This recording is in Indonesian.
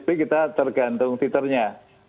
hepatitis b kita tergantung titernya